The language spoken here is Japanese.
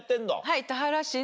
はい。